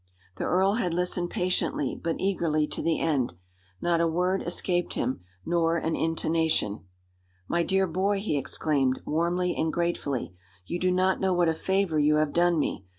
The earl had listened patiently, but eagerly, to the end. Not a word escaped him, nor an intonation. "My dear boy," he exclaimed, warmly and gratefully, "you do not know what a favor you have done me.